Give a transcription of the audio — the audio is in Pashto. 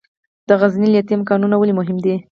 د غزني لیتیم کانونه ولې مهم دي؟